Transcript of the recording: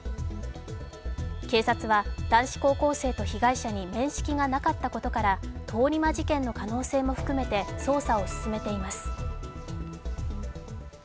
警察は男子高校生と被害者に面識がなかったことから通り魔事件の可能性も含めて捜査を進めています。